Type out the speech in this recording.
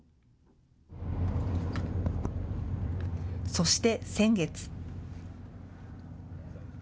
そして先月。